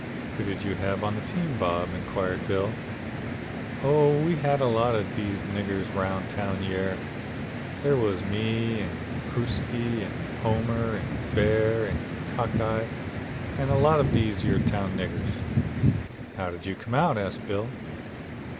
"'Who did you have on the team, Bob?' inquired Bill. "'Oh we had a lot of dese niggers roun' town yere. They was me, an' Crooksie, an' Homer, an' Bear, an' Cockeye, an' a lot of dese yer town niggers.' "'How did you come out?' asked Bill.